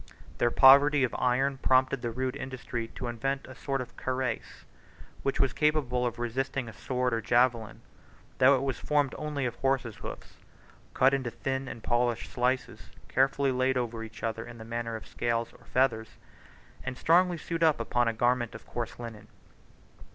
37 Their poverty of iron prompted their rude industry to invent a sort of cuirass, which was capable of resisting a sword or javelin, though it was formed only of horses' hoofs, cut into thin and polished slices, carefully laid over each other in the manner of scales or feathers, and strongly sewed upon an under garment of coarse linen.